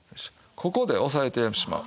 ここで押さえてしまう。